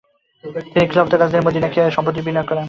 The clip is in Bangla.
তিনি খিলাফতের রাজধানী মদীনায় সম্পত্তিতে বিনিয়োগ করেন।